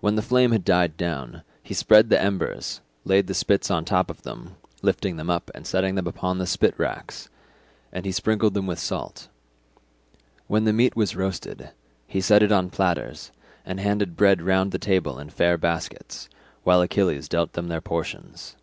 When the flame had died down, he spread the embers, laid the spits on top of them, lifting them up and setting them upon the spit racks; and he sprinkled them with salt. When the meat was roasted, he set it on platters, and handed bread round the table in fair baskets, while Achilles dealt them their portions.